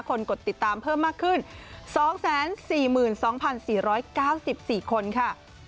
กดติดตามเพิ่มมากขึ้น๒๔๒๔๙๔คนค่ะ